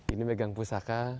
ini megang pusaka